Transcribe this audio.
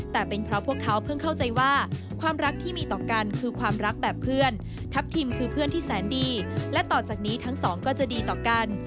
แต่เป็นเพราะพวกเขาเพิ่งเข้าใจว่าความรักที่มีต่อกันคือความรักแบบเพื่อนทัพทิมคือเพื่อนที่แสนดีและต่อจากนี้ทั้งสองก็จะดีต่อกัน